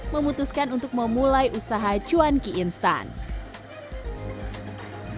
memutuskan untuk memulai usaha penjualan kaki yang berjalan kaki